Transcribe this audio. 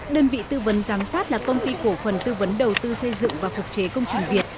đơn vị tư vấn giám sát là công ty cổ phần tư vấn đầu tư xây dựng và phục chế công trình việt